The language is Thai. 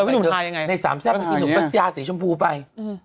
อุ๊ยน่างชอบสีชมพูไว้